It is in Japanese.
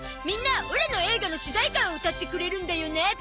みんなオラの映画の主題歌を歌ってくれるんだよね？